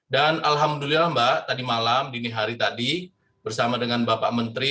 dan alhamdulillah mbak tadi malam dini hari tadi bersama dengan bapak menteri